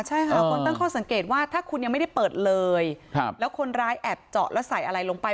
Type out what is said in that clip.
ใช่ค่ะคนตั้งข้อสังเกตว่าถ้าคุณยังไม่ได้เปิดเลยแล้วคนร้ายแอบเจาะแล้วใส่อะไรลงไป